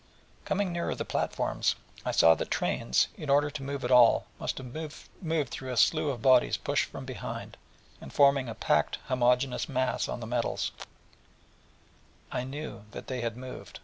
For, coming nearer the platforms, I saw that trains, in order to move at all, must have moved through a slough of bodies pushed from behind, and forming a packed homogeneous mass on the metals: and I knew that they had moved.